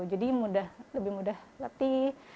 jadi mudah lebih mudah latih